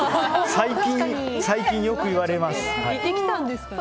最近よく言われます。